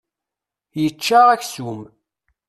Yeĉĉa aksum.